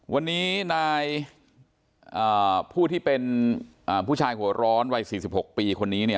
วันนี้นายผู้ที่เป็นผู้ชายหัวร้อนวัย๔๖ปีคนนี้เนี่ย